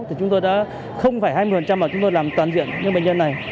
thì chúng tôi đã không hai mươi mà chúng tôi làm toàn diện những bệnh nhân này